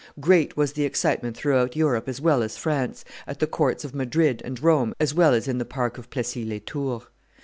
Great was the excitement throughout Europe as well as France, at the courts of Madrid and Rome as well as in the park of Plessis les Tours.